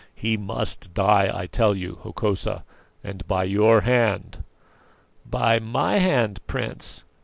He must die, I tell you, Hokosa, and by your hand." "By my hand, Prince!